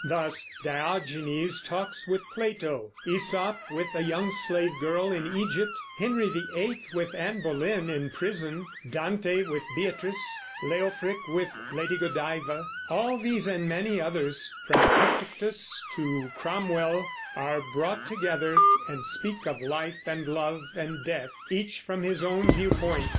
Thus Diogenes talks with Plato, Æsop with a young slave girl in Egypt, Henry VIII with Anne Boleyn in prison, Dante with Beatrice, Leofric with Lady Godiva, all these and many others, from Epictetus to Cromwell, are brought together and speak of life and love and death, each from his own view point.